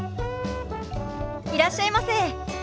いらっしゃいませ。